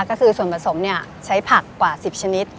ก็คือส่วนผสมใช้ผักกว่า๑๐ชนิด